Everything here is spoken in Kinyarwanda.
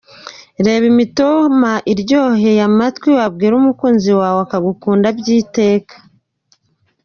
Reba imitoma iryoheye amatwi wabwira umukunzi wawe akagukunda by’Iteka.